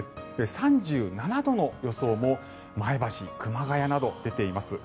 ３７度の予想も前橋、熊谷など出ています。